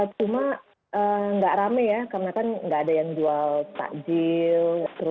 cuma nggak rame ya karena kan nggak ada yang jual takjil